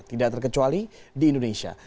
tidak terkecuali di indonesia